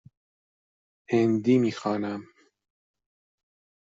هندی می خوانم.